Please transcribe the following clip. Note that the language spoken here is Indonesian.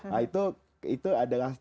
nah itu adalah